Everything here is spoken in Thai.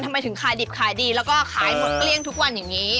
ทำไมถึงขายดิบขายดีแล้วก็ขายหมดเกลี้ยงทุกวันอย่างนี้